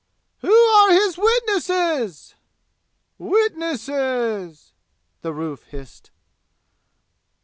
"Who are his witnesses?" "Witnesses?" the roof hissed.